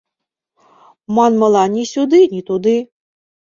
Манмыла, ни сюды, ни туды...